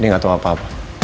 dia nggak tahu apa apa